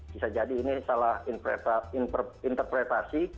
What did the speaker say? bisa jadi ini salah interpretasi